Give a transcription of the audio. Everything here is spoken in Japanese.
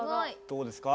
どうですか？